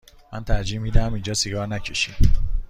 من ترجیح می دهم اینجا سیگار نکشی.